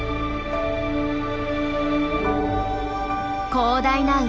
広大な海。